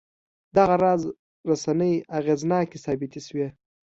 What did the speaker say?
دغه راز رسنۍ اغېزناکې ثابتې شوې.